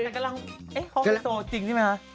แต่กำลังเอ๊ะเค้าให้โซจริงใช่ไหมฮะ